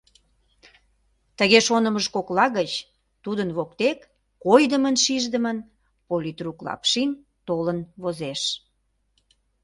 Тыге шонымыж кокла гыч тудын воктек койдымын-шиждымын политрук Лапшин толын возеш.